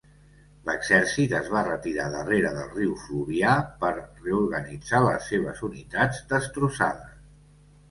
L'exèrcit es va retirar darrere del riu Fluvià per reorganitzar les seves unitats destrossades.